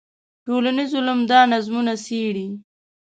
ټولنیز علوم دا نظمونه څېړي.